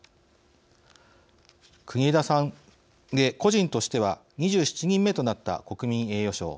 国枝さんで個人としては２７人目となった国民栄誉賞。